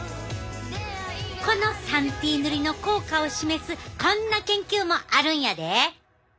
この３Ｔ塗りの効果を示すこんな研究もあるんやで！